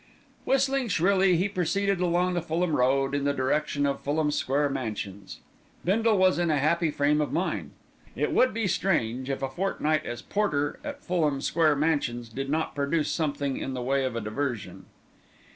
Whistling shrilly, he proceeded along the Fulham Road in the direction of Fulham Square Mansions. Bindle was in a happy frame of mind. It would be strange if a fortnight as porter at Fulham Square Mansions did not produce something in the way of a diversion.